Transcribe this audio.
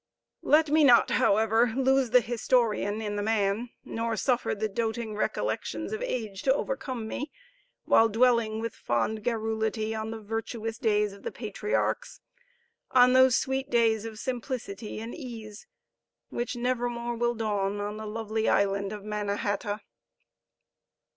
Let me not, however, lose the historian in the man, nor suffer the doting recollections of age to overcome me, while dwelling with fond garrulity on the virtuous days of the patriarchs on those sweet days of simplicity and ease, which never more will dawn on the lovely island of Manna hata.